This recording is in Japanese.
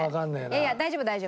いやいや大丈夫大丈夫。